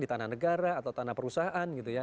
di tanah negara atau tanah perusahaan gitu ya